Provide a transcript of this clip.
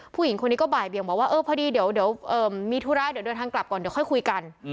ผู้หญิงคนนี้ก็บ่ายเบียงบอกว่าเออพอดีเดี๋ยวมีธุระเดี๋ยวเดินทางกลับก่อนเดี๋ยวค่อยคุยกัน